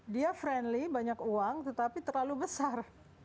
dia friendly banyak uang tetapi terlalu besar